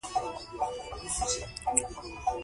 خټکی د شیدو سره هم خوړل کېږي.